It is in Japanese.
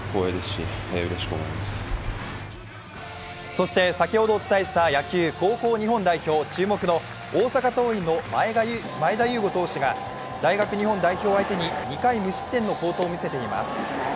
そして先ほどお伝えした野球高校日本代表の注目の大阪桐蔭の前田悠伍投手が大学日本代表を相手に２回無失点の好投を見せています。